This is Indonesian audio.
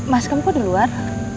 mas kamu kok di luar